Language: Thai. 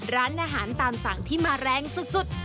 ร้านอาหารตามสั่งที่มาแรงสุด